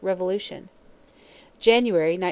Revolution. January, 1901.